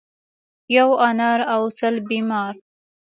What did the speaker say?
ـ یو انار او سل بیمار.